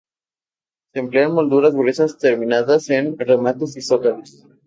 Se emplean molduras gruesas terminadas en remates y zócalos.